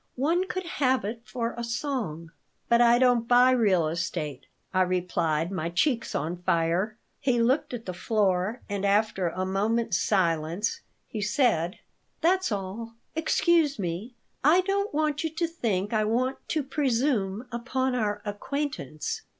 "One could have it for a song." "But I don't buy real estate," I replied, my cheeks on fire. He looked at the floor and, after a moment's silence, he said: "That's all. Excuse me. I don't want you to think I want to presume upon our acquaintance."